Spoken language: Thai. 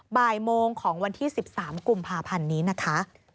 บ่ายโมงของวันที่๑๓กุมภาพันธ์นี้นะคะ